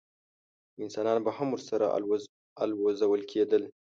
انسانان به هم ورسره الوزول کېدل.